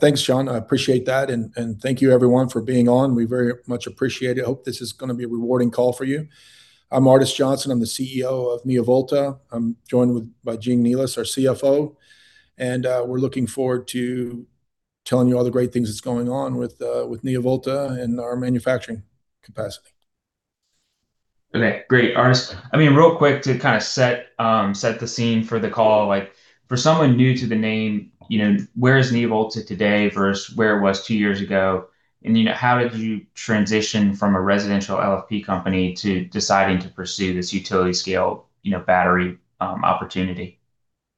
Thanks, Sean. I appreciate that. Thank you everyone for being on. We very much appreciate it. I hope this is going to be a rewarding call for you. I'm Ardes Johnson, I'm the CEO of NeoVolta. I'm joined by Jing Nealis, our CFO. We're looking forward to telling you all the great things that's going on with NeoVolta and our manufacturing capacity. Okay, great. Ardes, real quick, to set the scene for the call. For someone new to the name, where is NeoVolta today versus where it was two years ago? How did you transition from a residential LFP company to deciding to pursue this utility scale battery opportunity?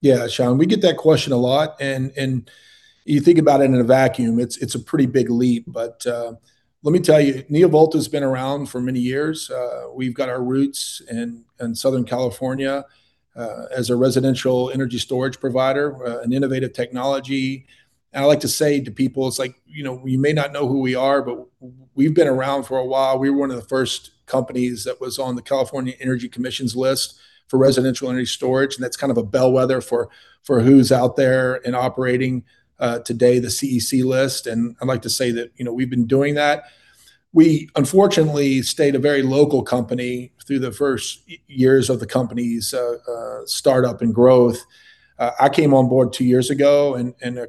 Yeah, Sean, we get that question a lot. You think about it in a vacuum, it's a pretty big leap. Let me tell you, NeoVolta's been around for many years. We've got our roots in Southern California, as a residential energy storage provider, an innovative technology. I like to say to people, it's like, you may not know who we are, but we've been around for a while. We were one of the first companies that was on the California Energy Commission's list for residential energy storage. That's kind of a bellwether for who's out there and operating today, the CEC list. I'd like to say that we've been doing that. We unfortunately stayed a very local company through the first years of the company's startup and growth. I came on board two years ago.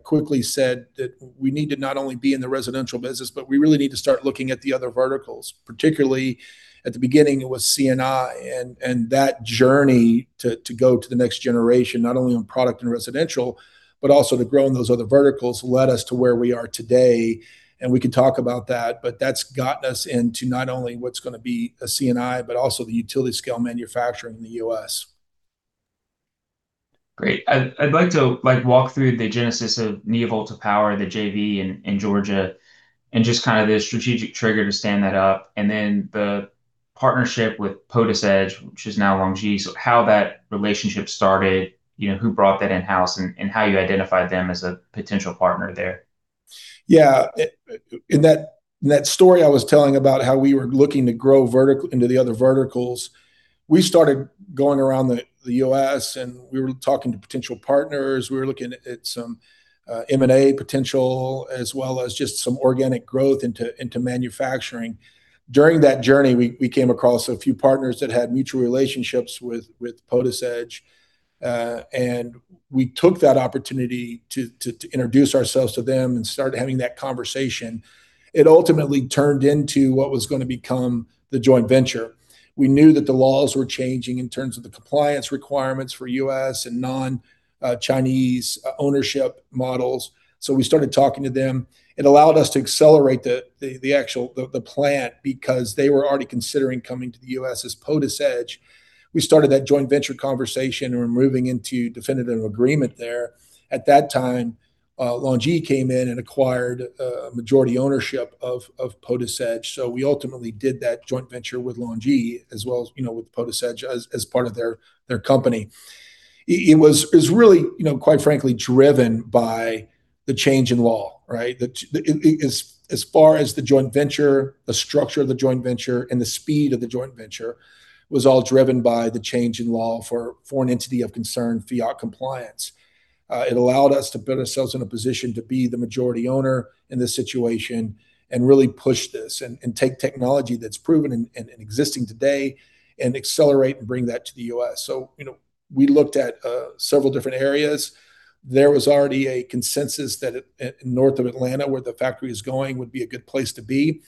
Quickly said that we need to not only be in the residential business, but we really need to start looking at the other verticals. Particularly at the beginning it was C&I. That journey to go to the next generation, not only on product and residential, but also to grow in those other verticals, led us to where we are today. We can talk about that, but that's gotten us into not only what's going to be a C&I, but also the utility scale manufacturing in the U.S. Great. I'd like to walk through the genesis of NeoVolta Power, the JV in Georgia, and just the strategic trigger to stand that up, then the partnership with PotisEdge, which is now LONGi. How that relationship started, who brought that in-house, and how you identified them as a potential partner there? In that story I was telling about how we were looking to grow into the other verticals, we started going around the U.S. and we were talking to potential partners. We were looking at some M&A potential, as well as just some organic growth into manufacturing. During that journey, we came across a few partners that had mutual relationships with PotisEdge, and we took that opportunity to introduce ourselves to them and start having that conversation. It ultimately turned into what was going to become the joint venture. We knew that the laws were changing in terms of the compliance requirements for U.S. and non-Chinese ownership models. We started talking to them. It allowed us to accelerate the plant because they were already considering coming to the U.S. as PotisEdge. We started that joint venture conversation and were moving into definitive agreement there. At that time, LONGi came in and acquired a majority ownership of PotisEdge. We ultimately did that joint venture with LONGi, as well as with PotisEdge as part of their company. It was really, quite frankly, driven by the change in law, right? As far as the joint venture, the structure of the joint venture and the speed of the joint venture was all driven by the change in law for Foreign Entity of Concern FEOC compliance. It allowed us to put ourselves in a position to be the majority owner in this situation and really push this and take technology that's proven and existing today and accelerate and bring that to the U.S. We looked at several different areas. There was already a consensus that north of Atlanta, where the factory is going, would be a good place to be.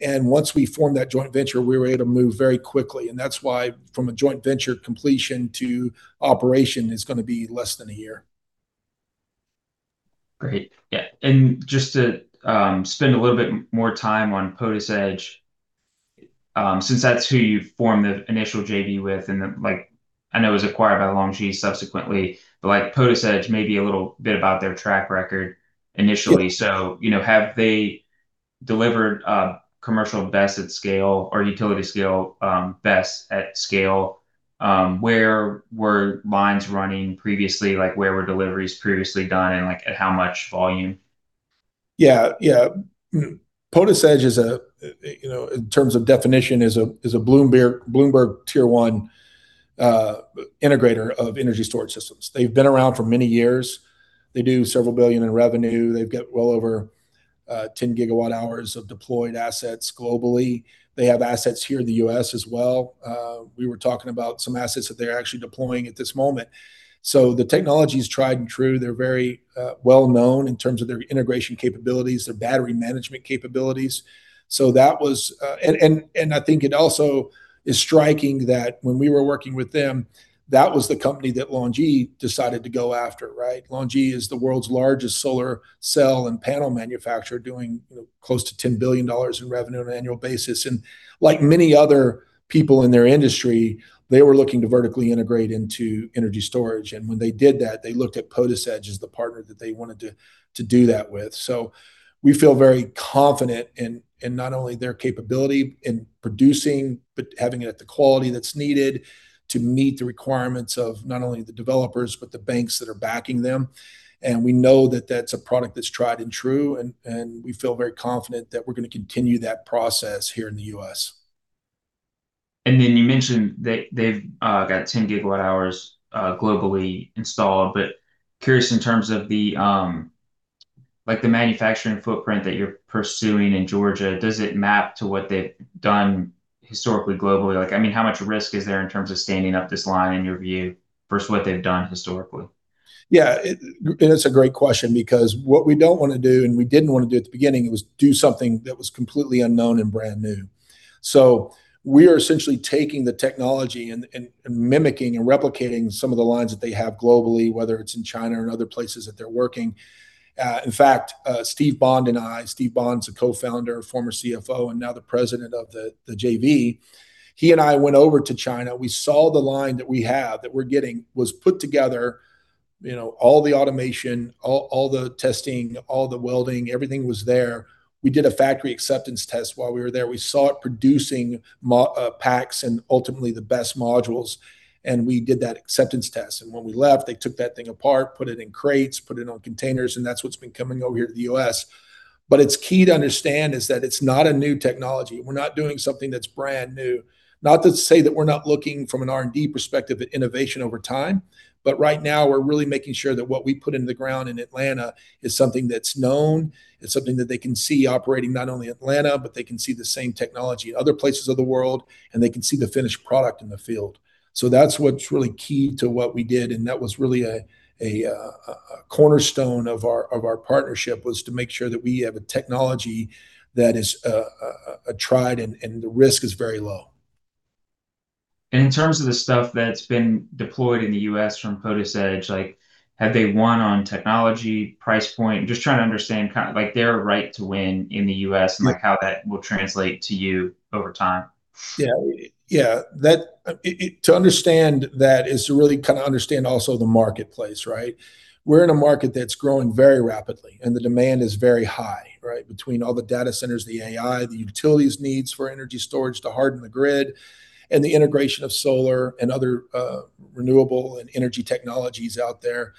Once we formed that joint venture, we were able to move very quickly. That's why from a joint venture completion to operation is going to be less than a year. Great. Yeah. Just to spend a little bit more time on PotisEdge, since that's who you formed the initial JV with, and I know it was acquired by LONGi subsequently, but PotisEdge, maybe a little bit about their track record initially. Have they delivered commercial BESS at scale or utility scale BESS at scale? Where were lines running previously? Where were deliveries previously done, and at how much volume? Yeah. PotisEdge, in terms of definition, is a BloombergNEF Tier 1 integrator of energy storage systems. They've been around for many years. They do several billion in revenue. They've got well over 10 GWh of deployed assets globally. They have assets here in the U.S. as well. We were talking about some assets that they're actually deploying at this moment. The technology's tried and true. They're very well known in terms of their integration capabilities, their battery management capabilities. I think it also is striking that when we were working with them, that was the company that LONGi decided to go after, right? LONGi is the world's largest solar cell and panel manufacturer, doing close to $10 billion in revenue on an annual basis. Like many other people in their industry, they were looking to vertically integrate into energy storage. When they did that, they looked at PotisEdge as the partner that they wanted to do that with. We feel very confident in not only their capability in producing, but having it at the quality that's needed to meet the requirements of not only the developers, but the banks that are backing them. We know that that's a product that's tried and true, and we feel very confident that we're going to continue that process here in the U.S. You mentioned they've got 10 GWh globally installed, curious in terms of the manufacturing footprint that you're pursuing in Georgia, does it map to what they've done historically globally? How much risk is there in terms of standing up this line, in your view, versus what they've done historically? Yeah. It's a great question because what we don't want to do, and we didn't want to do at the beginning, was do something that was completely unknown and brand new. So we are essentially taking the technology and mimicking and replicating some of the lines that they have globally, whether it's in China or in other places that they're working. In fact, Steve Bond and I, Steve Bond's a co-founder, former CFO, and now the president of the JV, he and I went over to China. We saw the line that we have, that we're getting, was put together, all the automation, all the testing, all the welding, everything was there. We did a factory acceptance test while we were there. We saw it producing packs and ultimately the best modules, and we did that acceptance test. When we left, they took that thing apart, put it in crates, put it on containers, and that's what's been coming over here to the U.S. But it's key to understand is that it's not a new technology. We're not doing something that's brand new. Not to say that we're not looking from an R&D perspective at innovation over time, but right now we're really making sure that what we put in the ground in Atlanta is something that's known, it's something that they can see operating not only Atlanta, but they can see the same technology in other places of the world, and they can see the finished product in the field. So that's what's really key to what we did, and that was really a cornerstone of our partnership, was to make sure that we have a technology that is tried and the risk is very low. In terms of the stuff that's been deployed in the U.S. from PotisEdge, have they won on technology, price point? I'm just trying to understand their right to win in the U.S. and how that will translate to you over time. Yeah. To understand that is to really understand also the marketplace, right? We're in a market that's growing very rapidly, and the demand is very high, between all the data centers, the AI, the utilities needs for energy storage to harden the grid, and the integration of solar and other renewable energy technologies out there.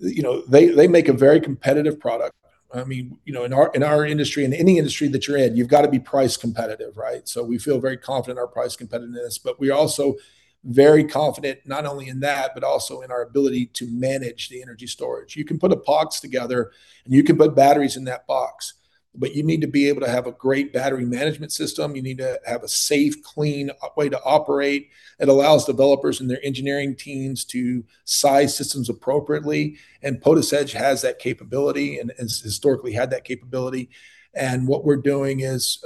They make a very competitive product. In our industry, in any industry that you're in, you've got to be price competitive. So we feel very confident in our price competitiveness, but we're also very confident not only in that, but also in our ability to manage the energy storage. You can put a box together and you can put batteries in that box, but you need to be able to have a great battery management system. You need to have a safe, clean way to operate that allows developers and their engineering teams to size systems appropriately, and PotisEdge has that capability, and has historically had that capability. What we're doing is,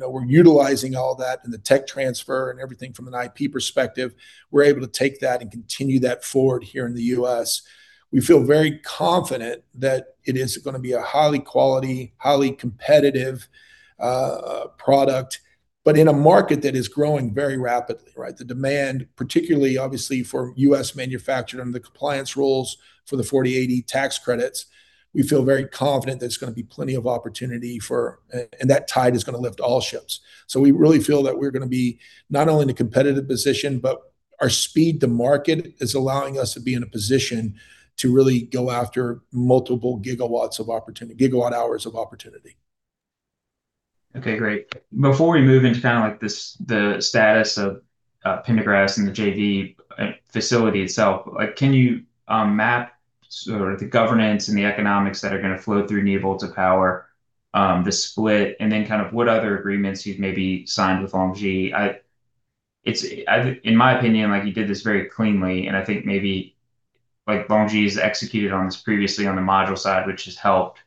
we're utilizing all that in the tech transfer and everything from an IP perspective. We're able to take that and continue that forward here in the U.S. We feel very confident that it is going to be a highly quality, highly competitive product. In a market that is growing very rapidly. The demand, particularly obviously for U.S. manufacturing, the compliance rules for the 48E tax credits, we feel very confident there's going to be plenty of opportunity for. That tide is going to lift all ships. We really feel that we're going to be not only in a competitive position, but our speed to market is allowing us to be in a position to really go after multiple gigawatt hours of opportunity. Okay, great. Before we move into the status of Pendergrass and the JV facility itself, can you map the governance and the economics that are going to flow through NeoVolta Power, the split, and then what other agreements you've maybe signed with LONGi? In my opinion, you did this very cleanly, and I think maybe LONGi's executed on this previously on the module side, which has helped.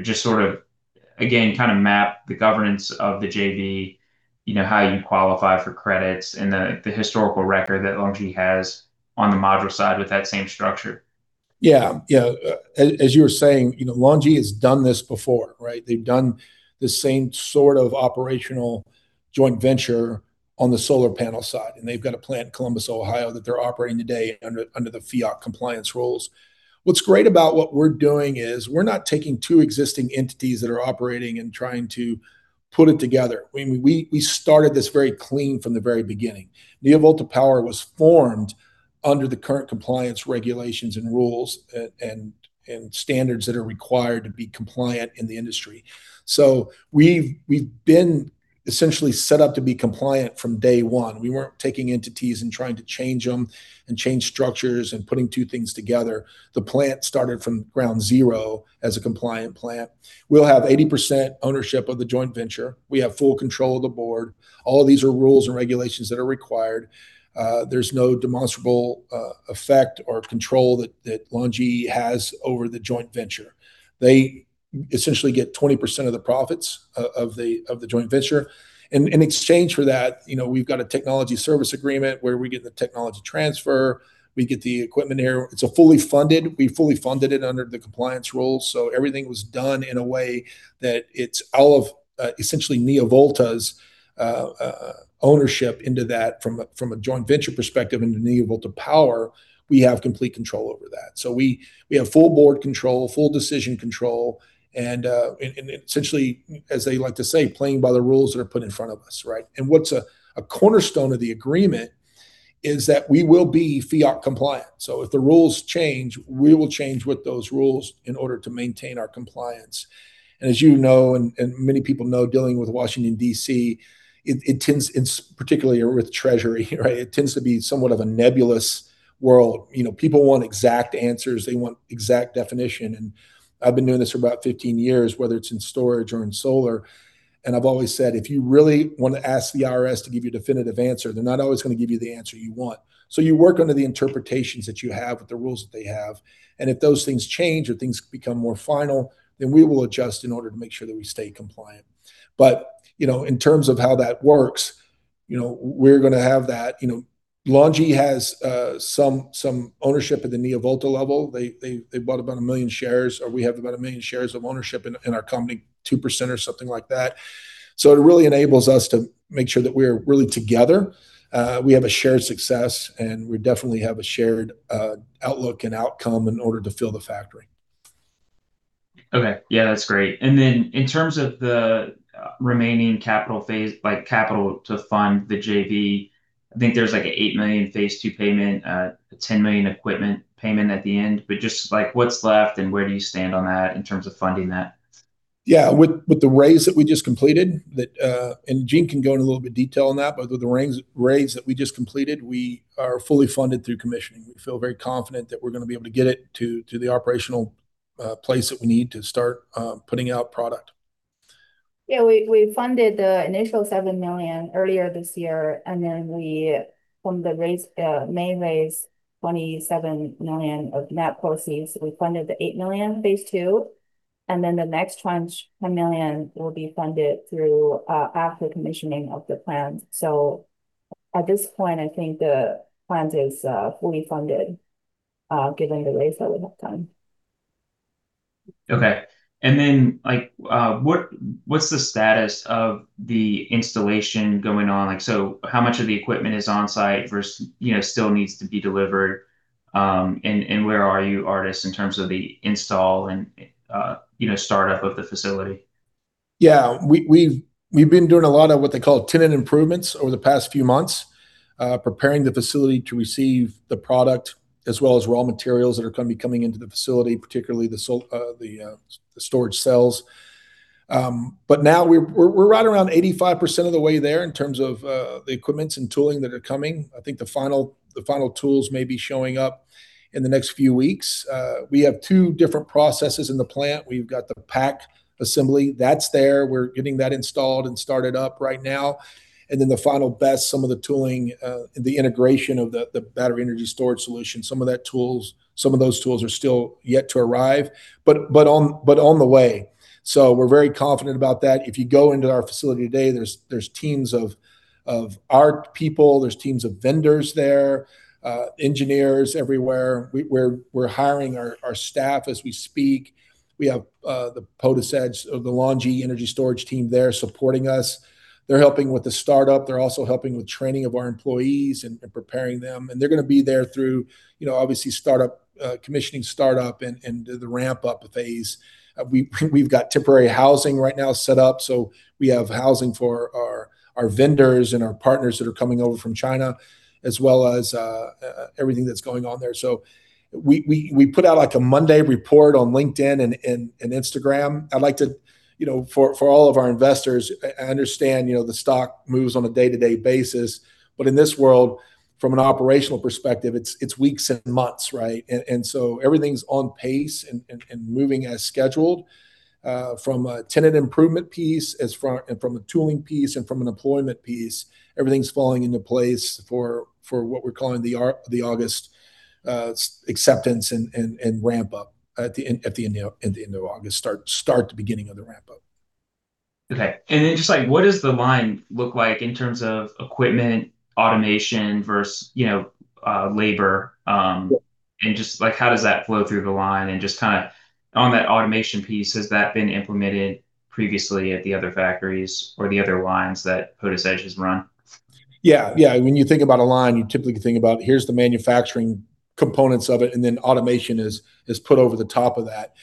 Just again, map the governance of the JV, how you qualify for credits, and the historical record that LONGi has on the module side with that same structure. Yeah. As you were saying, LONGi has done this before. They've done the same sort of operational joint venture on the solar panel side, and they've got a plant in Columbus, Ohio, that they're operating today under the FEOC compliance rules. What's great about what we're doing is we're not taking two existing entities that are operating and trying to put it together. We started this very clean from the very beginning. NeoVolta Power was formed under the current compliance regulations and rules, and standards that are required to be compliant in the industry. We've been essentially set up to be compliant from day one. We weren't taking entities and trying to change them and change structures and putting two things together. The plant started from ground zero as a compliant plant. We'll have 80% ownership of the joint venture. We have full control of the board. All of these are rules and regulations that are required. There's no demonstrable effect or control that LONGi has over the joint venture. They essentially get 20% of the profits of the joint venture. In exchange for that, we've got a technology service agreement where we get the technology transfer, we get the equipment here. It's fully funded. We fully funded it under the compliance rules, everything was done in a way that it's all of essentially NeoVolta's ownership into that from a joint venture perspective into NeoVolta Power, we have complete control over that. We have full board control, full decision control, and essentially, as they like to say, playing by the rules that are put in front of us. What's a cornerstone of the agreement is that we will be FEOC compliant. If the rules change, we will change with those rules in order to maintain our compliance. As you know, and many people know, dealing with Washington, D.C., particularly with Treasury, right? It tends to be somewhat of a nebulous world. People want exact answers. They want exact definition. I've been doing this for about 15 years, whether it's in storage or in solar, and I've always said, if you really want to ask the IRS to give you a definitive answer, they're not always going to give you the answer you want. You work under the interpretations that you have with the rules that they have, and if those things change or things become more final, we will adjust in order to make sure that we stay compliant. In terms of how that works, we're going to have that. LONGi has some ownership at the NeoVolta level. They bought about 1 million shares, or we have about 1 million shares of ownership in our company, 2% or something like that. It really enables us to make sure that we're really together. We have a shared success, and we definitely have a shared outlook and outcome in order to fill the factory. Okay. Yeah, that's great. In terms of the remaining capital to fund the JV, I think there's like an $8 million phase II payment, a $10 million equipment payment at the end. Just like what's left and where do you stand on that in terms of funding that? Yeah. With the raise that we just completed, Jing can go into a little bit of detail on that. With the raise that we just completed, we are fully funded through commissioning. We feel very confident that we're going to be able to get it to the operational place that we need to start putting out product. Yeah. We funded the initial $7 million earlier this year. From the May raise, $27 million of net proceeds. We funded the $8 million phase II. The next tranche, $10 million, will be funded through after commissioning of the plant. At this point, I think the plant is fully funded, given the raise that we have done. Okay. What's the status of the installation going on? How much of the equipment is on-site versus still needs to be delivered? Where are you, Ardes, in terms of the install and startup of the facility? Yeah. We've been doing a lot of what they call tenant improvements over the past few months, preparing the facility to receive the product as well as raw materials that are going to be coming into the facility, particularly the storage cells. Now we're right around 85% of the way there in terms of the equipment and tooling that are coming. I think the final tools may be showing up in the next few weeks. We have two different processes in the plant. We've got the pack assembly. That's there. We're getting that installed and started up right now. The final BESS, some of the tooling, the integration of the battery energy storage solution. Some of those tools are still yet to arrive, but on the way. We're very confident about that. If you go into our facility today, there's teams of our people, there's teams of vendors there, engineers everywhere. We're hiring our staff as we speak. We have the PotisEdge of the LONGi energy storage team there supporting us. They're helping with the startup. They're also helping with training of our employees and preparing them. They're going to be there through, obviously startup, commissioning startup, and the ramp-up phase. We've got temporary housing right now set up, so we have housing for our vendors and our partners that are coming over from China, as well as everything that's going on there. We put out like a Monday report on LinkedIn and Instagram. I'd like to, for all of our investors, I understand, the stock moves on a day-to-day basis. In this world, from an operational perspective, it's weeks and months, right? Everything's on pace and moving as scheduled. From a tenant improvement piece and from a tooling piece and from an employment piece, everything's falling into place for what we're calling the August acceptance and ramp up at the end of August. Start the beginning of the ramp up. Okay. Just like what does the line look like in terms of equipment automation versus labor? Just like how does that flow through the line and just kind of on that automation piece, has that been implemented previously at the other factories or the other lines that PotisEdge has run? Yeah. When you think about a line, you typically think about, here's the manufacturing components of it, and then automation is put over the top of that.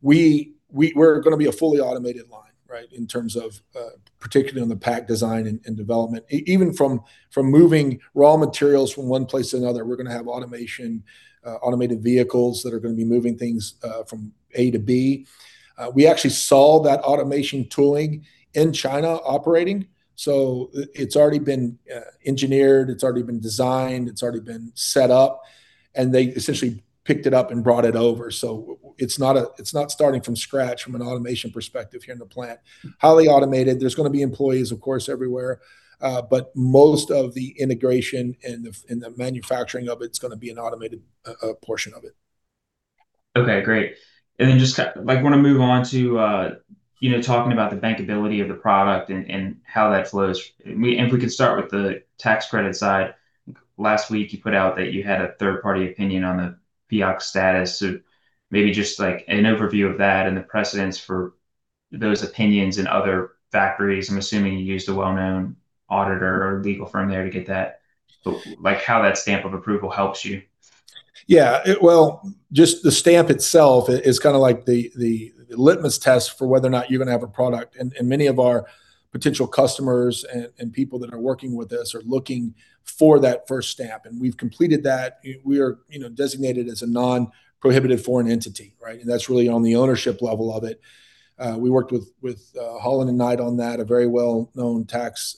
We're going to be a fully automated line, right? In terms of, particularly on the pack design and development. Even from moving raw materials from one place to another, we're going to have automation, automated vehicles that are going to be moving things from A to B. We actually saw that automation tooling in China operating. It's already been engineered, it's already been designed, it's already been set up, and they essentially picked it up and brought it over. It's not starting from scratch from an automation perspective here in the plant. Highly automated. There's going to be employees, of course, everywhere. But most of the integration and the manufacturing of it is going to be an automated portion of it. Okay, great. Just want to move on to talking about the bankability of the product and how that flows. If we could start with the tax credit side. Last week you put out that you had a third-party opinion on the FEOC status. Maybe just like an overview of that and the precedents for those opinions in other factories. I'm assuming you used a well-known auditor or legal firm there to get that. Like how that stamp of approval helps you. Yeah. Well, just the stamp itself is kind of like the litmus test for whether or not you're going to have a product. Many of our potential customers and people that are working with us are looking for that first stamp, and we've completed that. We are designated as a non-prohibited foreign entity, right? That's really on the ownership level of it. We worked with Holland & Knight on that, a very well-known tax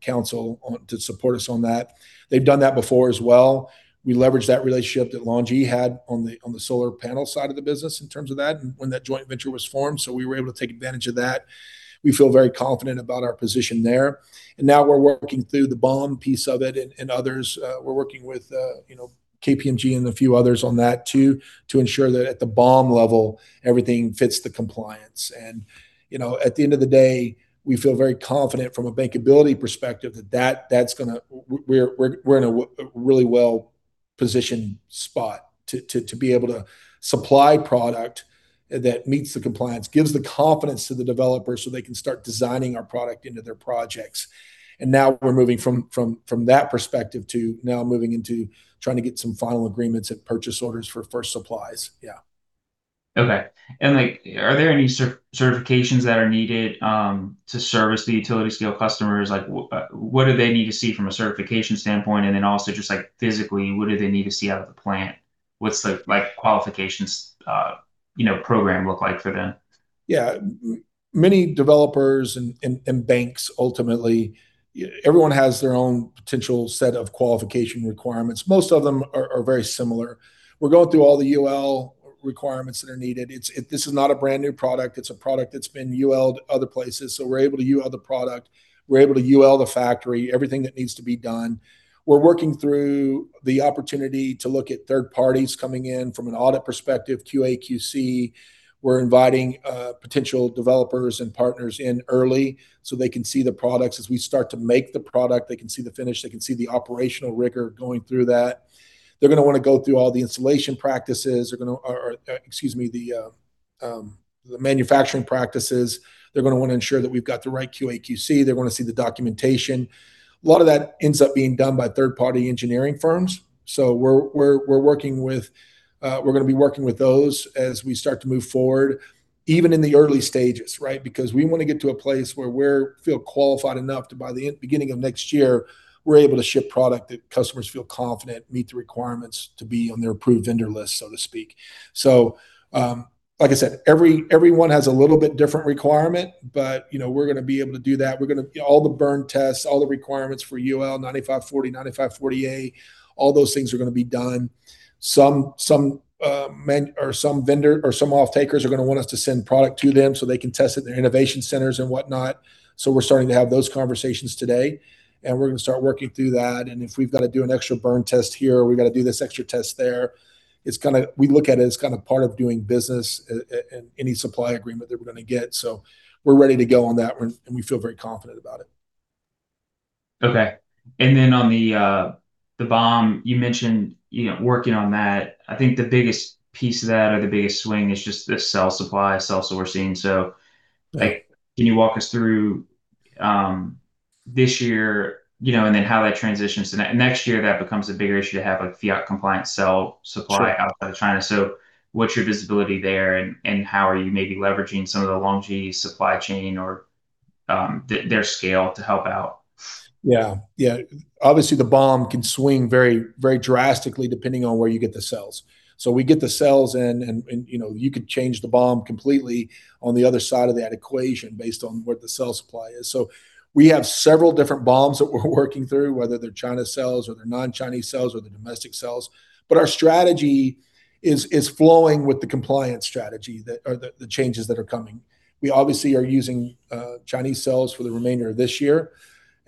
council to support us on that. They've done that before as well. We leveraged that relationship that LONGi had on the solar panel side of the business in terms of that and when that joint venture was formed, we were able to take advantage of that. We feel very confident about our position there. Now we're working through the BOM piece of it and others. We're working with KPMG and a few others on that too, to ensure that at the BOM level, everything fits the compliance. At the end of the day, we feel very confident from a bankability perspective that we're in a really well-positioned spot to be able to supply product that meets the compliance, gives the confidence to the developers so they can start designing our product into their projects. Now we're moving from that perspective to now moving into trying to get some final agreements and purchase orders for first supplies. Yeah. Okay. Are there any certifications that are needed to service the utility scale customers? What do they need to see from a certification standpoint? Also just physically, what do they need to see out of the plant? What's the qualifications program look like for them? Yeah. Many developers and banks, ultimately, everyone has their own potential set of qualification requirements. Most of them are very similar. We're going through all the UL requirements that are needed. This is not a brand-new product. It's a product that's been UL'd other places, so we're able to UL the product, we're able to UL the factory, everything that needs to be done. We're working through the opportunity to look at third parties coming in from an audit perspective, QA, QC. We're inviting potential developers and partners in early so they can see the products. As we start to make the product, they can see the finish, they can see the operational rigor going through that. They're going to want to go through all the installation practices. They're going to, excuse me, the manufacturing practices. They're going to want to ensure that we've got the right QA, QC. They're going to see the documentation. A lot of that ends up being done by third-party engineering firms. We're going to be working with those as we start to move forward, even in the early stages, right? Because we want to get to a place where we feel qualified enough to, by the beginning of next year, we're able to ship product that customers feel confident meet the requirements to be on their approved vendor list, so to speak. Like I said, everyone has a little bit different requirement, but we're going to be able to do that. All the burn tests, all the requirements for UL 9540, UL 9540A, all those things are going to be done. Some vendor or some off-takers are going to want us to send product to them so they can test it in their innovation centers and whatnot, so we're starting to have those conversations today, and we're going to start working through that. If we've got to do an extra burn test here, or we've got to do this extra test there, we look at it as kind of part of doing business and any supply agreement that we're going to get. We're ready to go on that one, and we feel very confident about it. Okay. On the BOM, you mentioned working on that. I think the biggest piece of that or the biggest swing is just the cell supply, cell sourcing. Right Can you walk us through this year, how that transitions to next year, that becomes a bigger issue to have a FEOC compliance cell supply Sure outside of China. What's your visibility there, and how are you maybe leveraging some of the LONGi supply chain or their scale to help out? Yeah. Obviously, the BOM can swing very drastically depending on where you get the cells. We get the cells in and you could change the BOM completely on the other side of that equation based on what the cell supply is. We have several different BOMs that we're working through, whether they're China cells or they're non-Chinese cells or they're domestic cells. Our strategy is flowing with the compliance strategy or the changes that are coming. We obviously are using Chinese cells for the remainder of this year.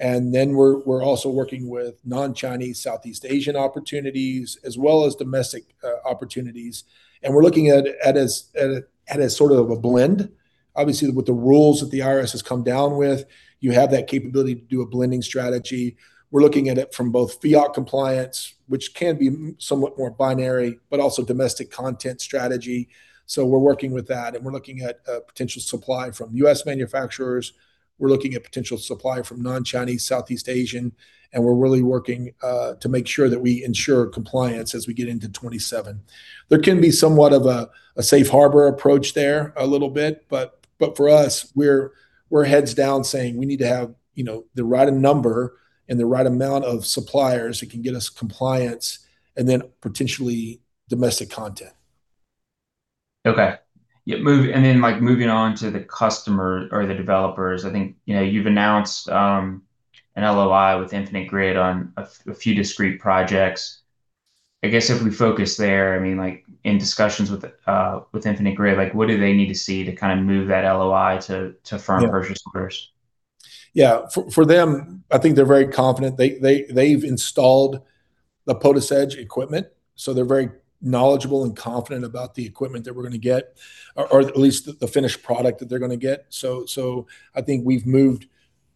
We're also working with non-Chinese, Southeast Asian opportunities, as well as domestic opportunities. We're looking at it as sort of a blend. Obviously, with the rules that the IRS has come down with, you have that capability to do a blending strategy. We're looking at it from both FEOC compliance, which can be somewhat more binary, also domestic content strategy. We're working with that, and we're looking at potential supply from U.S. manufacturers. We're looking at potential supply from non-Chinese, Southeast Asian, and we're really working to make sure that we ensure compliance as we get into 2027. There can be somewhat of a safe harbor approach there a little bit, for us, we're heads down saying we need to have the right number and the right amount of suppliers who can get us compliance and then potentially domestic content. Okay. Then moving on to the customer or the developers, I think you've announced an LOI with Infinite Grid on a few discrete projects. I guess if we focus there, in discussions with Infinite Grid, what do they need to see to kind of move that LOI to firm purchase orders? Yeah. For them, I think they're very confident. They've installed the PotisEdge equipment, they're very knowledgeable and confident about the equipment that we're going to get, or at least the finished product that they're going to get. I think we've moved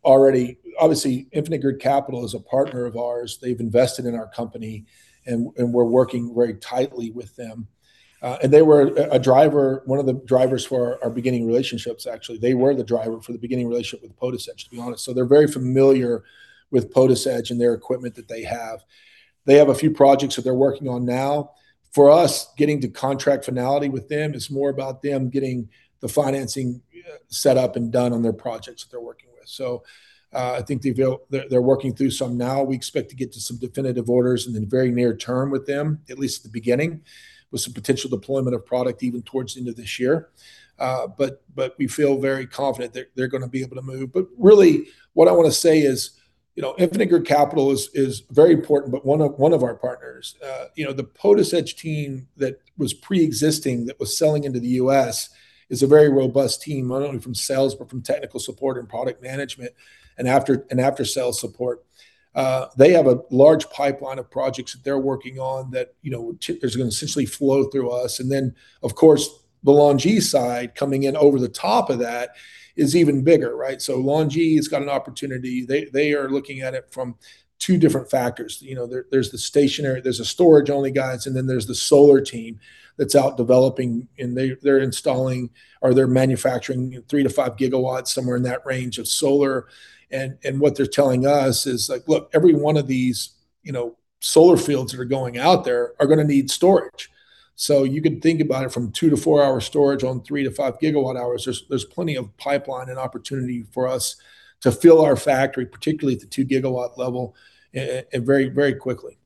already. Obviously, Infinite Grid Capital is a partner of ours. They've invested in our company, and we're working very tightly with them. And they were one of the drivers for our beginning relationships, actually. They were the driver for the beginning relationship with PotisEdge, to be honest. They're very familiar with PotisEdge and their equipment that they have. They have a few projects that they're working on now. For us, getting to contract finality with them is more about them getting the financing set up and done on their projects that they're working. I think they're working through some now. We expect to get to some definitive orders in the very near term with them, at least at the beginning, with some potential deployment of product even towards the end of this year. We feel very confident they're going to be able to move. Really what I want to say is Infinite Grid Capital is very important, one of our partners. The PotisEdge team that was pre-existing, that was selling into the U.S., is a very robust team, not only from sales, but from technical support and product management, and after sales support. They have a large pipeline of projects that they're working on that is going to essentially flow through us. Then of course, the LONGi side coming in over the top of that is even bigger, right? LONGi has got an opportunity. They are looking at it from two different factors. There's the stationary, there's the storage-only guys, then there's the solar team that's out developing, and they're installing, or they're manufacturing 3 GW-5 GW, somewhere in that range of solar. What they're telling us is, "Look, every one of these solar fields that are going out there are going to need storage." You could think about it from 2-hour to 4-hour storage on 3 GWh-5 GWh. There's plenty of pipeline and opportunity for us to fill our factory, particularly at the 2 GW level, and very quickly.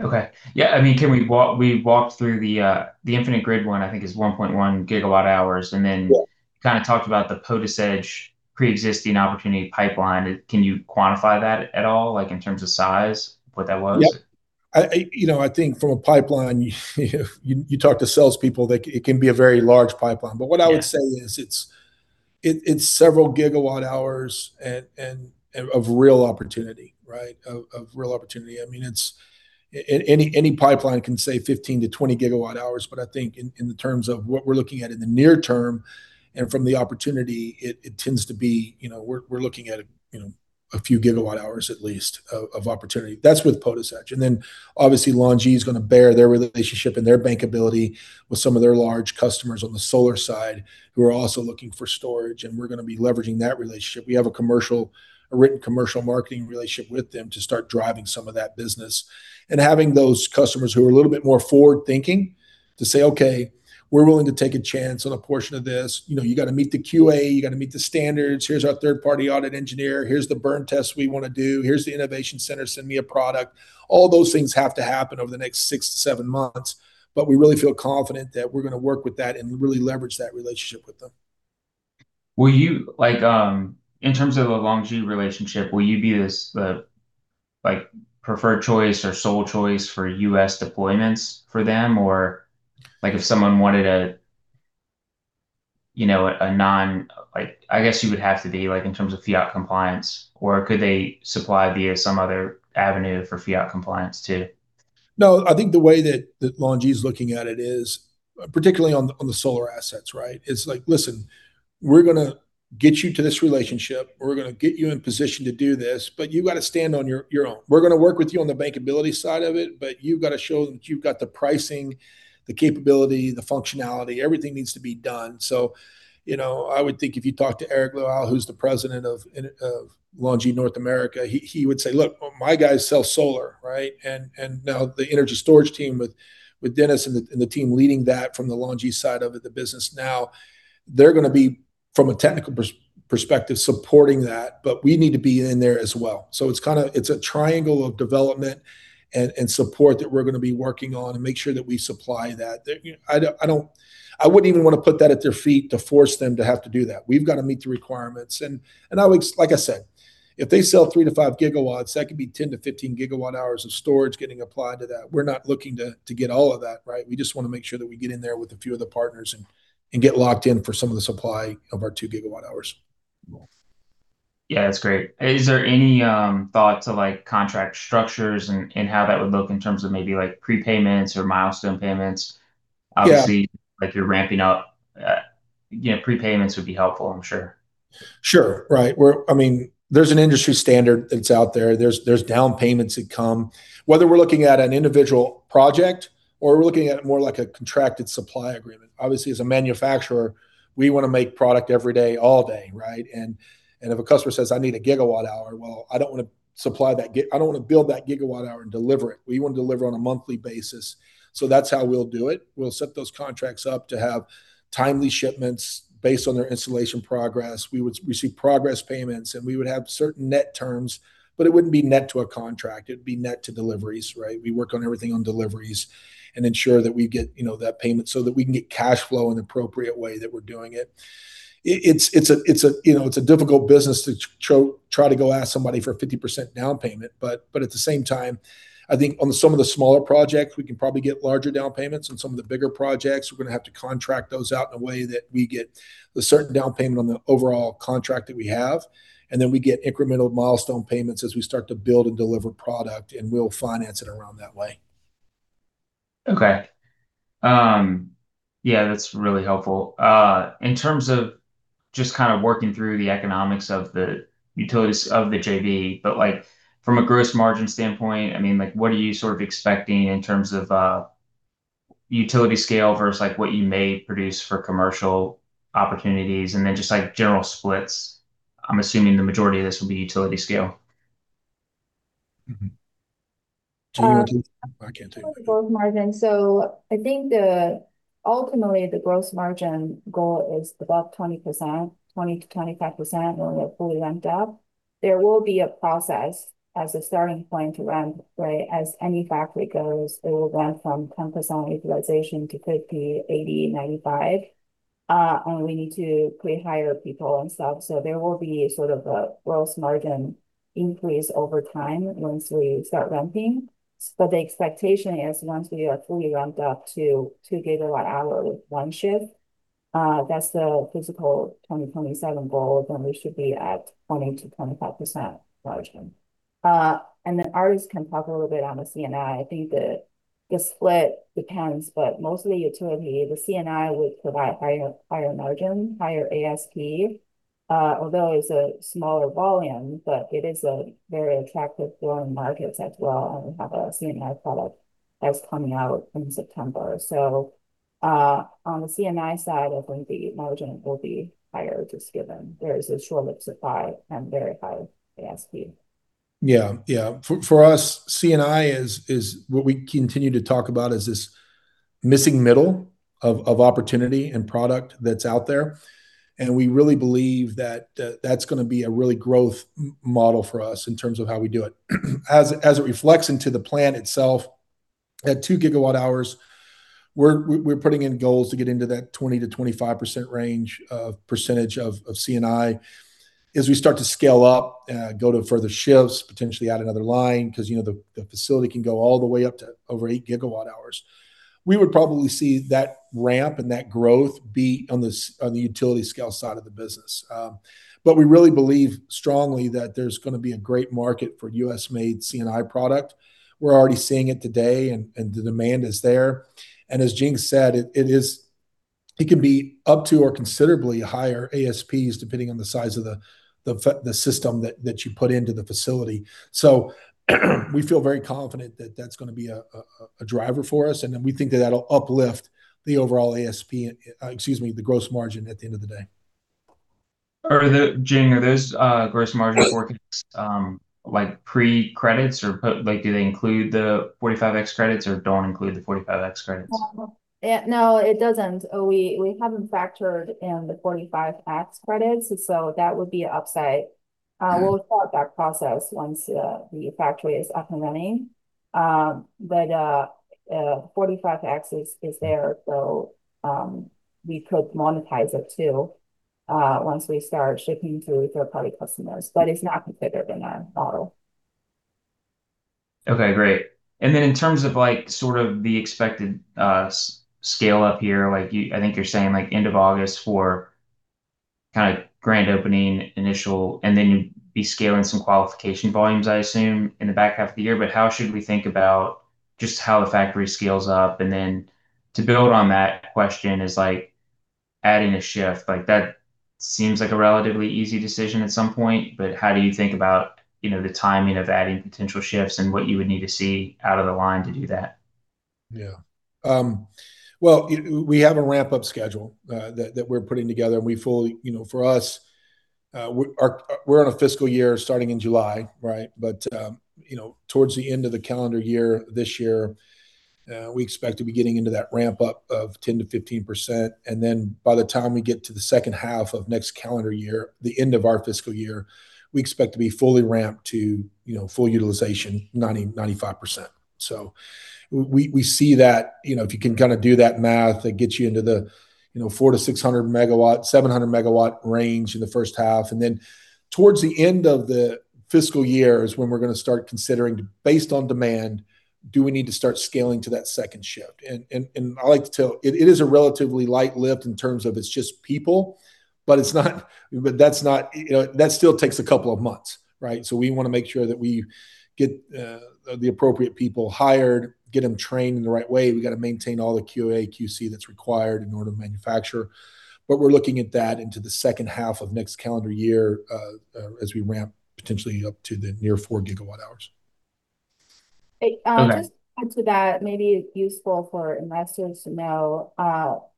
Okay. Yeah, we walked through the Infinite Grid one, I think is 1.1 GWh. Yeah kind of talked about the PotisEdge pre-existing opportunity pipeline. Can you quantify that at all, like in terms of size, what that was? Yeah. I think from a pipeline, you talk to salespeople, it can be a very large pipeline. Yeah. What I would say is it's several gigawatt hours of real opportunity, right? Of real opportunity. Any pipeline can say 15 GWh-20 GWh, but I think in the terms of what we're looking at in the near term and from the opportunity, it tends to be we're looking at a few gigawatt hours at least of opportunity. That's with PotisEdge. Then obviously LONGi's going to bear their relationship and their bankability with some of their large customers on the solar side who are also looking for storage, and we're going to be leveraging that relationship. We have a written commercial marketing relationship with them to start driving some of that business. Having those customers who are a little bit more forward-thinking to say, "Okay, we're willing to take a chance on a portion of this. You've got to meet the QA, you've got to meet the standards. Here's our third-party audit engineer. Here's the burn test we want to do. Here's the innovation center. Send me a product." All those things have to happen over the next six-seven months, we really feel confident that we're going to work with that and really leverage that relationship with them. In terms of a LONGi relationship, will you be this preferred choice or sole choice for U.S. deployments for them? If someone wanted a non I guess you would have to be, in terms of FEOC compliance, or could they supply via some other avenue for FEOC compliance, too? I think the way that LONGi's looking at it is, particularly on the solar assets, right? It's like, "Listen, we're going to get you to this relationship. We're going to get you in position to do this, but you've got to stand on your own. We're going to work with you on the bankability side of it, but you've got to show that you've got the pricing, the capability, the functionality. Everything needs to be done." I would think if you talk to Eric Luo, who's the President of LONGi North America, he would say, "Look, my guys sell solar," right? Now the energy storage team with Dennis and the team leading that from the LONGi side of the business now, they're going to be, from a technical perspective, supporting that, but we need to be in there as well. It's a triangle of development and support that we're going to be working on and make sure that we supply that. I wouldn't even want to put that at their feet to force them to have to do that. We've got to meet the requirements. Like I said, if they sell 3 GW-5 GW, that could be 10 GWh-15 GWh of storage getting applied to that. We're not looking to get all of that, right? We just want to make sure that we get in there with a few of the partners and get locked in for some of the supply of our 2 GWh. Yeah, that's great. Is there any thought to contract structures and how that would look in terms of maybe prepayments or milestone payments? Yeah. Obviously, you're ramping up. Prepayments would be helpful, I'm sure. Sure. Right. There's an industry standard that's out there. There's down payments that come. Whether we're looking at an individual project or we're looking at it more like a contracted supply agreement, obviously as a manufacturer, we want to make product every day, all day, right? If a customer says, "I need 1 GWh," well, I don't want to build that gigawatt hour and deliver it. We want to deliver on a monthly basis. That's how we'll do it. We'll set those contracts up to have timely shipments based on their installation progress. We would receive progress payments, and we would have certain net terms. It wouldn't be net to a contract, it would be net to deliveries, right? We work on everything on deliveries and ensure that we get that payment so that we can get cash flow in the appropriate way that we're doing it. It's a difficult business to try to go ask somebody for a 50% down payment. At the same time, I think on some of the smaller projects, we can probably get larger down payments. On some of the bigger projects, we're going to have to contract those out in a way that we get a certain down payment on the overall contract that we have, and then we get incremental milestone payments as we start to build and deliver product, and we'll finance it around that way. That's really helpful. In terms of just kind of working through the economics of the utilities of the JV, from a gross margin standpoint, what are you sort of expecting in terms of utility scale versus what you may produce for commercial opportunities? Just general splits. I'm assuming the majority of this will be utility scale. I can't take the credit. Totally gross margin. I think ultimately the gross margin goal is about 20%-25% when we're fully ramped up. There will be a process as a starting point to ramp, right? As any factory goes, it will ramp from 10% utilization to 50%, 80%, 95%. We need to hire people and stuff. There will be sort of a gross margin increase over time once we start ramping. The expectation is once we are fully ramped up to 2 GWh, one shift, that's the physical 2027 goal. We should be at 20%-25% margin. Ardes can talk a little bit on the C&I. I think the split depends, but mostly utility. The C&I would provide higher margin, higher ASP. Although it's a smaller volume, but it is a very attractive growing market as well. We have a C&I product that's coming out in September. On the C&I side, I believe the margin will be higher, just given there is a short supply and very high ASP. Yeah. For us, C&I is what we continue to talk about as this missing middle of opportunity and product that's out there. We really believe that that's going to be a really growth model for us in terms of how we do it. As it reflects into the plan itself, at 2 GWh, we're putting in goals to get into that 20%-25% range of percentage of C&I. As we start to scale up, go to further shifts, potentially add another line, because the facility can go all the way up to over 8 GWh. We would probably see that ramp and that growth be on the utility scale side of the business. We really believe strongly that there's going to be a great market for U.S.-made C&I product. We're already seeing it today, the demand is there. As Jing said, it can be up to or considerably higher ASPs depending on the size of the system that you put into the facility. We feel very confident that that's going to be a driver for us. We think that that'll uplift the overall ASP, excuse me, the gross margin at the end of the day. Jing, are those gross margin forecasts pre-credits or do they include the 45X credits or don't include the 45X credits? No, it doesn't. We haven't factored in the 45X credits, that would be an upside. Okay. We'll start that process once the factory is up and running. 45X is there, we could monetize it too once we start shipping to third-party customers. It's not considered in our model. Okay, great. Then in terms of the expected scale-up here, I think you're saying end of August for grand opening initial, then you'd be scaling some qualification volumes I assume in the back half of the year. How should we think about just how the factory scales up? Then to build on that question is adding a shift. That seems like a relatively easy decision at some point, how do you think about the timing of adding potential shifts and what you would need to see out of the line to do that? Yeah. Well, we have a ramp-up schedule that we're putting together, for us, we're on a fiscal year starting in July, right? Towards the end of the calendar year this year, we expect to be getting into that ramp-up of 10%-15%. Then by the time we get to the second half of next calendar year, the end of our fiscal year, we expect to be fully ramped to full utilization, 90%, 95%. We see that if you can do that math, that gets you into the 400 MW-600 MW, 700 MW range in the first half. Then towards the end of the fiscal year is when we're going to start considering based on demand, do we need to start scaling to that second shift? I like to tell, it is a relatively light lift in terms of it's just people, but that still takes a couple of months, right? We want to make sure that we get the appropriate people hired, get them trained in the right way. We got to maintain all the QA, QC that's required in order to manufacture. We're looking at that into the second half of next calendar year, as we ramp potentially up to the near 4 GWh. Okay. Just to add to that, may be useful for investors to know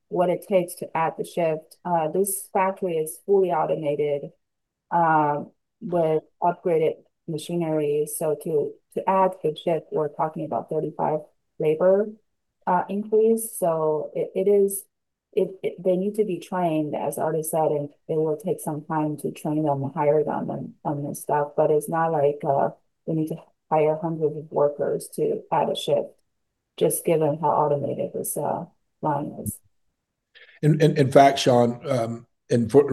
what it takes to add the shift. This factory is fully automated with upgraded machinery. To add the shift, we're talking about 35 labor increase. They need to be trained, as Ardes said, and it will take some time to train them and hire them and stuff. It's not like we need to hire hundreds of workers to add a shift, just given how automated this line is. In fact, Sean,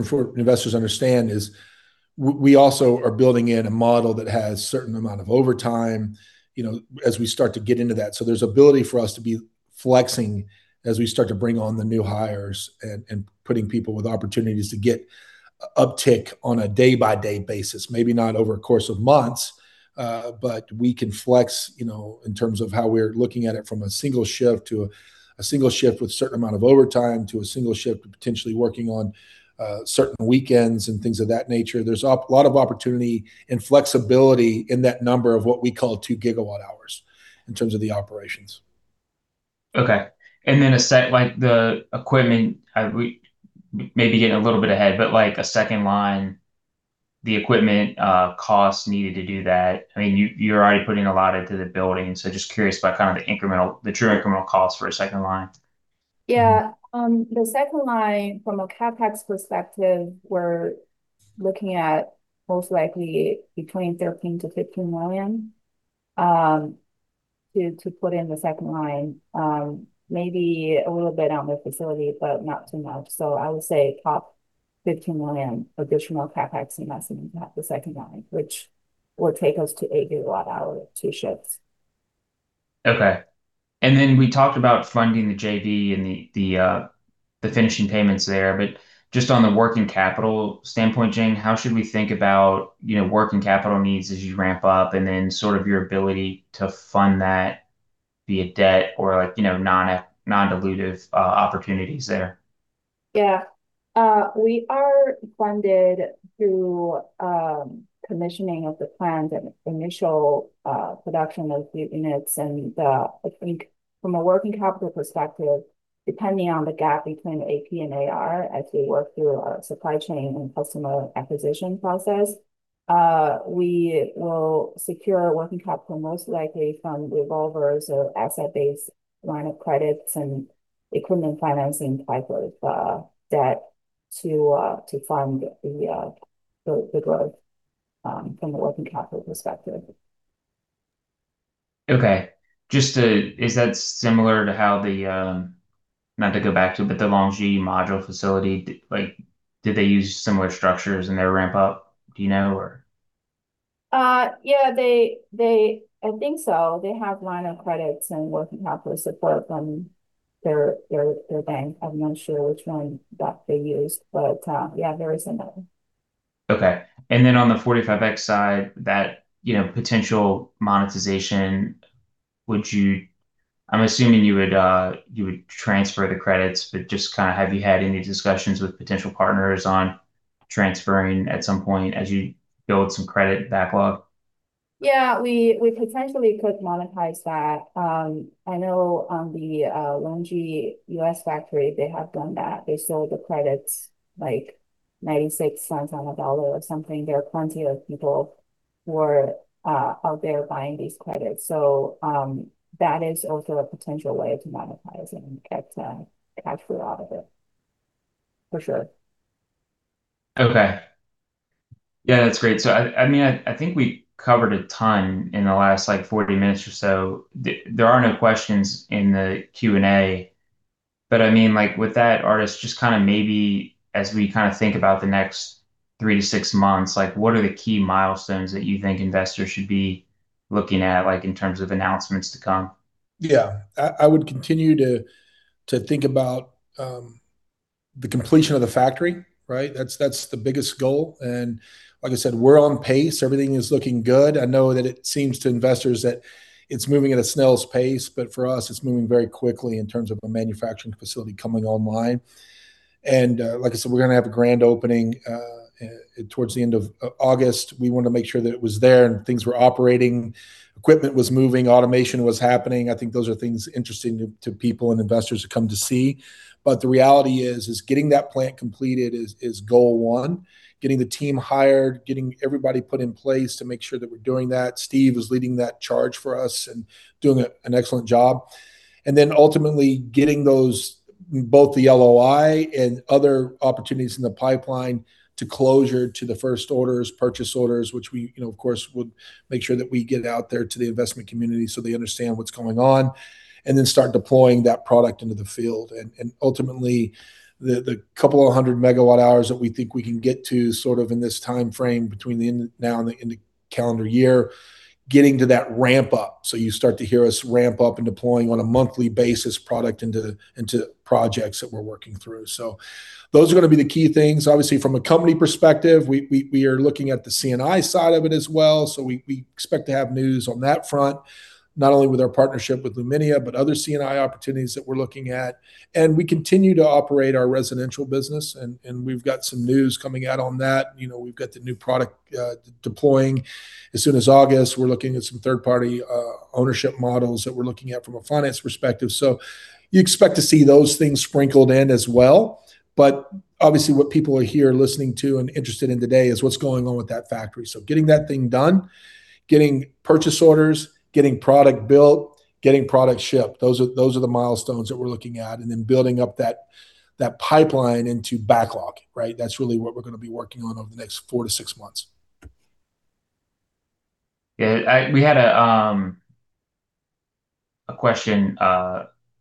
for investors understand is we also are building in a model that has certain amount of overtime as we start to get into that. There's ability for us to be flexing as we start to bring on the new hires and putting people with opportunities to get uptick on a day-by-day basis. Maybe not over a course of months, but we can flex in terms of how we're looking at it from a single shift to a single shift with certain amount of overtime to a single shift potentially working on certain weekends and things of that nature. There's a lot of opportunity and flexibility in that number of what we call 2 GWh in terms of the operations. Okay. Then the equipment, maybe getting a little bit ahead, but a second line, the equipment, costs needed to do that. You're already putting a lot into the building, so just curious about the true incremental costs for a second line. Yeah. The second line from a CapEx perspective, we're looking at most likely between $13 million-$15 million, to put in the second line. Maybe a little bit on the facility, but not too much. I would say top $15 million additional CapEx investment at the second line, which will take us to 8 GWh, two shifts. Okay. We talked about funding the JV and the finishing payments there. Just on the working capital standpoint, Jing, how should we think about working capital needs as you ramp up and then your ability to fund that, be it debt or non-dilutive opportunities there? Yeah. We are funded through commissioning of the plans and initial production of the units. I think from a working capital perspective, depending on the gap between AP and AR, as we work through our supply chain and customer acquisition process, we will secure working capital most likely from revolvers or asset-based lines of credit and equipment financing type of debt to fund the growth from the working capital perspective. Okay. Is that similar to how the, not to go back to it, but the LONGi module facility, did they use similar structures in their ramp-up, do you know? Yeah, I think so. They have line of credits and working capital support from their bank. I'm not sure which one that they used, but, yeah, there is another one. Okay. Then on the 45X side, that potential monetization, I'm assuming you would transfer the credits, but have you had any discussions with potential partners on transferring at some point as you build some credit backlog? Yeah, we potentially could monetize that. I know on the LONGi U.S. factory, they have done that. They sell the credits like $0.96 on a dollar or something. There are plenty of people who are out there buying these credits. That is also a potential way to monetize and get cash flow out of it, for sure. Okay. Yeah, that's great. I think we covered a ton in the last 40 minutes or so. There are no questions in the Q&A, but with that, Ardes, just maybe as we think about the next three to six months, what are the key milestones that you think investors should be looking at in terms of announcements to come? Yeah. I would continue to think about the completion of the factory, right? That's the biggest goal. Like I said, we're on pace. Everything is looking good. I know that it seems to investors that it's moving at a snail's pace, but for us, it's moving very quickly in terms of a manufacturing facility coming online. Like I said, we're going to have a grand opening towards the end of August. We wanted to make sure that it was there and things were operating, equipment was moving, automation was happening. I think those are things interesting to people and investors to come to see. The reality is, getting that plant completed is goal one. Getting the team hired, getting everybody put in place to make sure that we're doing that. Steve is leading that charge for us and doing an excellent job. Ultimately getting both the LOI and other opportunities in the pipeline to closure to the first orders, purchase orders, which we of course would make sure that we get out there to the investment community so they understand what's going on. Then start deploying that product into the field. Ultimately, the couple of 100 MWh that we think we can get to sort of in this timeframe between now and the end of calendar year, getting to that ramp-up. You start to hear us ramp up and deploying on a monthly basis product into projects that we're working through. Those are going to be the key things. Obviously, from a company perspective, we are looking at the C&I side of it as well. We expect to have news on that front, not only with our partnership with Luminia, but other C&I opportunities that we're looking at. We continue to operate our residential business. We've got some news coming out on that. We've got the new product deploying as soon as August. We're looking at some third-party ownership models that we're looking at from a finance perspective. You expect to see those things sprinkled in as well. Obviously what people are here listening to and interested in today is what's going on with that factory. Getting that thing done, getting purchase orders, getting product built, getting product shipped, those are the milestones that we're looking at. Then building up that pipeline into backlog, right? That's really what we're going to be working on over the next four to six months. Yeah. We had a question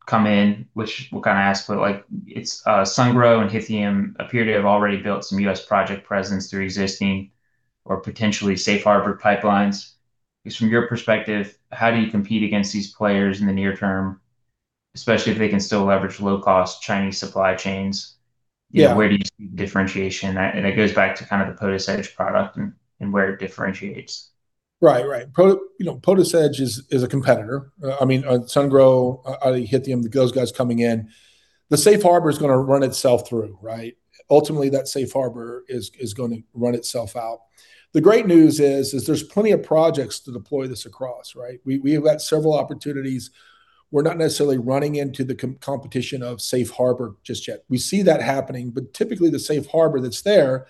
come in, which we'll ask, but it's Sungrow and HiTHIUM appear to have already built some U.S. project presence through existing or potentially safe harbor pipelines. Just from your perspective, how do you compete against these players in the near term, especially if they can still leverage low-cost Chinese supply chains? Yeah. Where do you see differentiation? It goes back to the PotisEdge product and where it differentiates. Right. PotisEdge is a competitor. Sungrow, HiTHIUM, those guys coming in. The safe harbor is going to run itself through, right? Ultimately, that safe harbor is going to run itself out. The great news is, there's plenty of projects to deploy this across, right? We have got several opportunities. We're not necessarily running into the competition of safe harbor just yet. We see that happening, but typically, the safe harbor that's there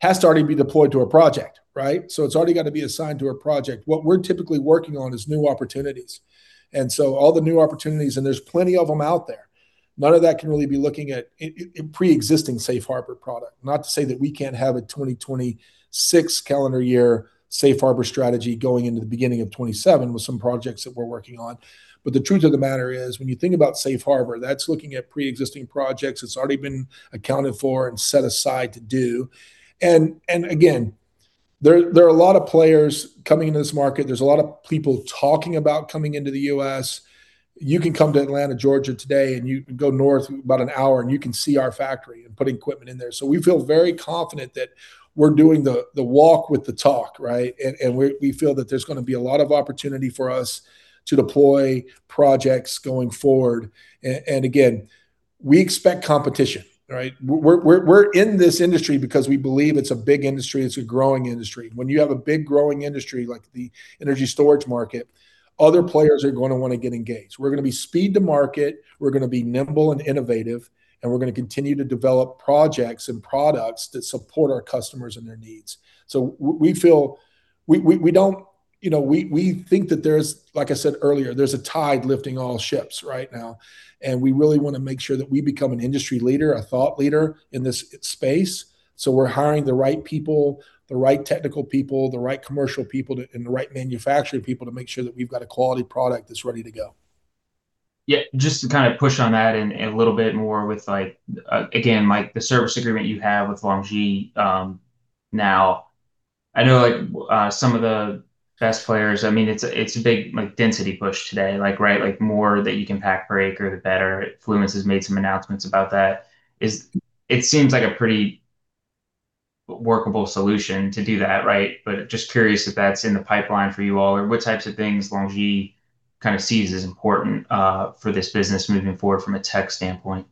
has to already be deployed to a project, right? It's already got to be assigned to a project. What we're typically working on is new opportunities, all the new opportunities, and there's plenty of them out there. None of that can really be looking at pre-existing safe harbor product. Not to say that we can't have a 2026 calendar year safe harbor strategy going into the beginning of 2027 with some projects that we're working on. The truth of the matter is, when you think about safe harbor, that's looking at pre-existing projects it's already been accounted for and set aside to do. Again, there are a lot of players coming into this market. There's a lot of people talking about coming into the U.S. You can come to Atlanta, Georgia today, and you can go north about an hour, and you can see our factory and putting equipment in there. We feel very confident that we're doing the walk with the talk, right? We feel that there's going to be a lot of opportunity for us to deploy projects going forward. Again, we expect competition, right? We're in this industry because we believe it's a big industry, and it's a growing industry. When you have a big growing industry like the energy storage market, other players are going to want to get engaged. We're going to be speed to market, we're going to be nimble and innovative, and we're going to continue to develop projects and products that support our customers and their needs. We think that, like I said earlier, there's a tide lifting all ships right now, and we really want to make sure that we become an industry leader, a thought leader in this space. We're hiring the right people, the right technical people, the right commercial people, and the right manufacturing people to make sure that we've got a quality product that's ready to go. Yeah. Just to push on that and a little bit more with, again, the service agreement you have with LONGi now. I know some of the best players, it's a big density push today, right? More that you can pack per acre, the better. Fluence has made some announcements about that. It seems like a pretty workable solution to do that, right? Just curious if that's in the pipeline for you all or what types of things LONGi sees as important for this business moving forward from a tech standpoint.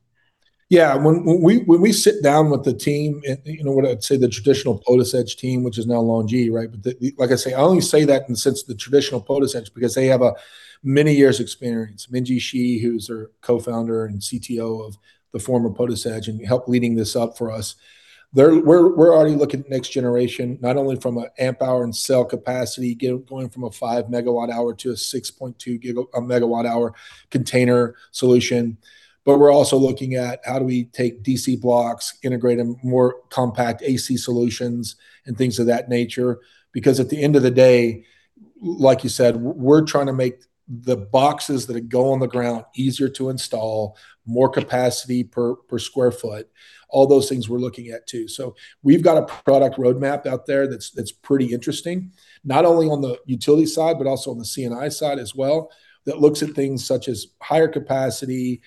Yeah. When we sit down with the team, what I'd say the traditional PotisEdge team, which is now LONGi, right? Like I say, I only say that in the sense the traditional PotisEdge because they have many years experience. Minjie Shi, who's our co-founder and CTO of the former PotisEdge and helped leading this up for us. We're already looking at next generation, not only from an amp hour and cell capacity, going from a 5 MWh to a 6.2 MWh container solution. We're also looking at how do we take DC blocks, integrate more compact AC solutions and things of that nature. At the end of the day, like you said, we're trying to make the boxes that go on the ground easier to install, more capacity per square foot. All those things we're looking at too. We've got a product roadmap out there that's pretty interesting, not only on the utility side but also on the C&I side as well, that looks at things such as higher capacity,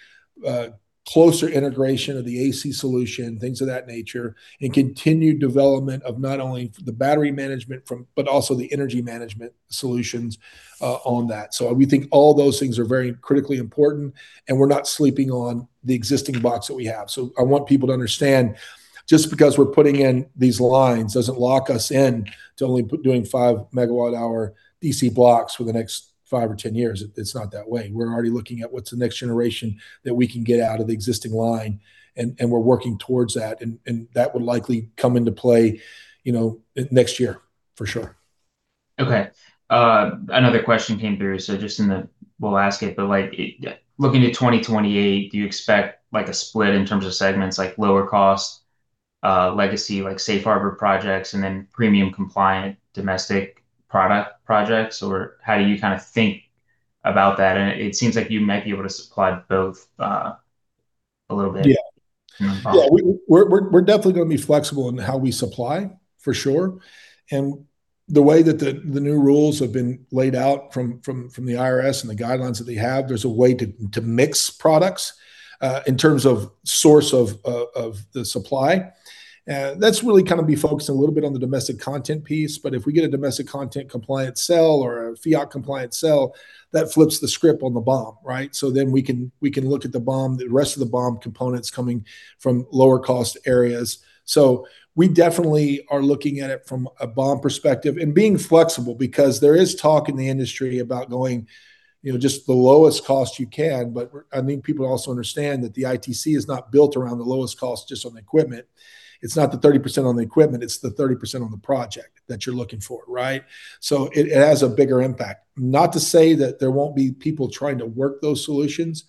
closer integration of the AC solution, things of that nature, and continued development of not only the battery management, but also the energy management solutions on that. We think all those things are very critically important, and we're not sleeping on the existing box that we have. I want people to understand, just because we're putting in these lines doesn't lock us in to only doing 5 MWh DC blocks for the next 5 or 10 years. It's not that way. We're already looking at what's the next generation that we can get out of the existing line, and we're working towards that, and that will likely come into play next year, for sure. Okay. Another question came through, We'll ask it, looking at 2028, do you expect a split in terms of segments, like lower cost, legacy, safe harbor projects, and then premium compliant domestic product projects? Or how do you think about that? It seems like you might be able to supply both a little bit. Yeah. In the bond. Yeah. We're definitely going to be flexible in how we supply, for sure. The way that the new rules have been laid out from the IRS and the guidelines that they have, there's a way to mix products, in terms of source of the supply. That's really going to be focused a little bit on the domestic content piece, but if we get a domestic content compliant cell or a FEOC compliant cell, that flips the script on the BOM, right? Then we can look at the rest of the BOM components coming from lower cost areas. We definitely are looking at it from a BOM perspective and being flexible because there is talk in the industry about going just the lowest cost you can. I think people also understand that the ITC is not built around the lowest cost just on the equipment. It's not the 30% on the equipment, it's the 30% on the project that you're looking for, right? It has a bigger impact. Not to say that there won't be people trying to work those solutions,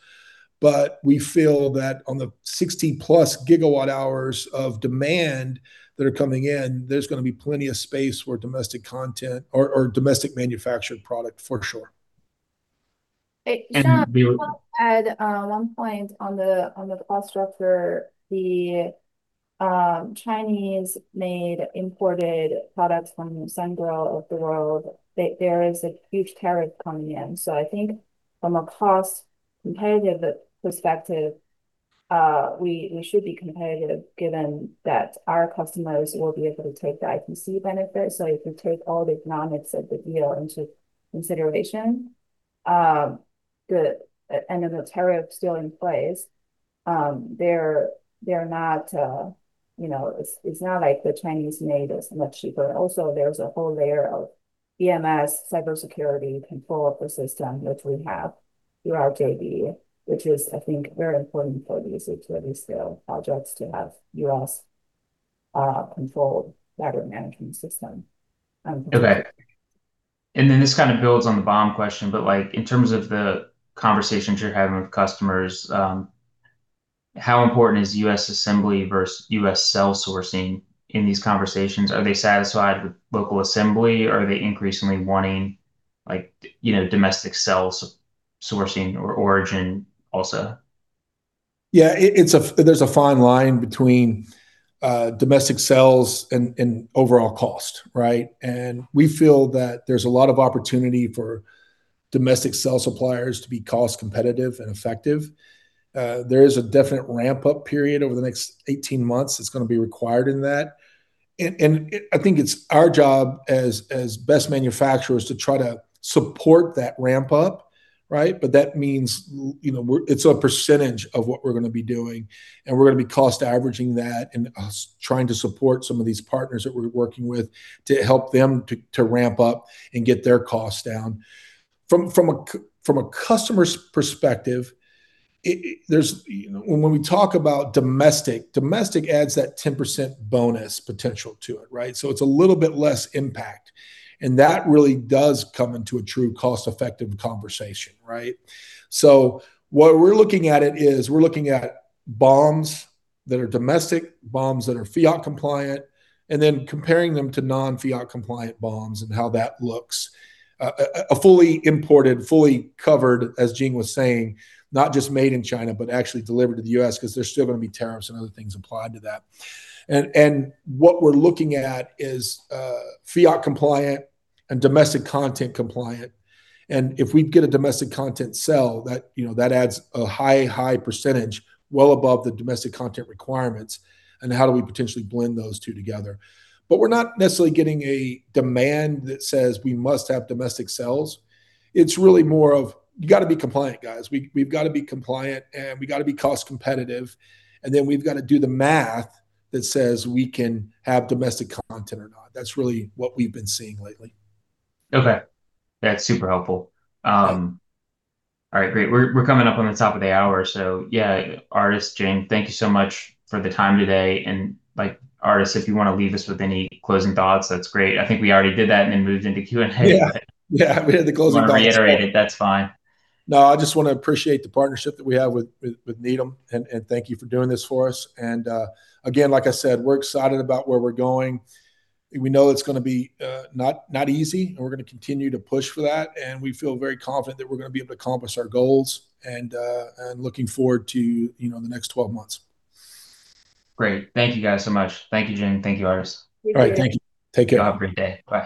we feel that on the 60+ GWh of demand that are coming in, there's going to be plenty of space for domestic content or domestic manufactured product, for sure. And- Sean, if I could add, one point on the cost structure. The Chinese-made imported products from Sungrow of the world, there is a huge tariff coming in. I think from a cost competitive perspective, we should be competitive given that our customers will be able to take the ITC benefit. If you take all the economics of the deal into consideration, and then the tariff still in place. It's not like the Chinese made is much cheaper. Also, there's a whole layer of EMS, cybersecurity, control of the system, which we have through our JV, which is, I think, very important for these utility scale projects to have U.S.-controlled battery management system. Okay. This kind of builds on the BOM question, but in terms of the conversations you're having with customers, how important is U.S. assembly versus U.S. cell sourcing in these conversations? Are they satisfied with local assembly, or are they increasingly wanting domestic cell sourcing or origin also? Yeah. There's a fine line between domestic cells and overall cost, right? We feel that there's a lot of opportunity for domestic cell suppliers to be cost competitive and effective. There is a definite ramp-up period over the next 18 months that's going to be required in that. I think it's our job as BESS manufacturers to try to support that ramp up, right? That means it's a percentage of what we're going to be doing, and we're going to be cost averaging that and us trying to support some of these partners that we're working with to help them to ramp up and get their costs down. From a customer's perspective, when we talk about domestic adds that 10% bonus potential to it, right? It's a little bit less impact, and that really does come into a true cost-effective conversation, right? What we're looking at it is we're looking at BOMs that are domestic, BOMs that are FEOC compliant, then comparing them to non-FEOC compliant BOMs and how that looks. A fully imported, fully covered, as Jing was saying, not just made in China, but actually delivered to the U.S. because there's still going to be tariffs and other things applied to that. What we're looking at is FEOC compliant and domestic content compliant. If we get a domestic content cell, that adds a high percentage well above the domestic content requirements. How do we potentially blend those two together? We're not necessarily getting a demand that says we must have domestic cells. It's really more of, "You got to be compliant, guys. We've got to be compliant, and we got to be cost competitive." We've got to do the math that says we can have domestic content or not. That's really what we've been seeing lately. Okay. That's super helpful. All right, great. We're coming up on the top of the hour, so yeah. Ardes, Jing, thank you so much for the time today. Ardes, if you want to leave us with any closing thoughts, that's great. I think we already did that and then moved into Q&A. Yeah. We did the closing thoughts. You want to reiterate it, that's fine. No, I just want to appreciate the partnership that we have with Needham, and thank you for doing this for us. Again, like I said, we're excited about where we're going. We know it's going to be not easy, and we're going to continue to push for that, and we feel very confident that we're going to be able to accomplish our goals and looking forward to the next 12 months. Great. Thank you guys so much. Thank you, Jing. Thank you, Ardes. Thank you. All right. Thank you. Take care. You have a great day. Bye.